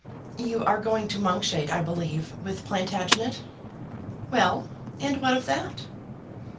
"You are going to Monkshade, I believe, with Plantagenet." "Well; and what of that?"